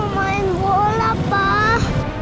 main bola pak